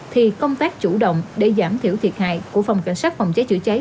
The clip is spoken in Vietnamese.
thì công tác chủ động để giảm thiểu thiệt hại của phòng cảnh sát phòng cháy chữa cháy